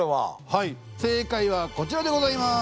はい正解はこちらでございます。